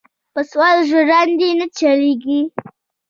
پۀ سوال ژرندې نۀ چلېږي.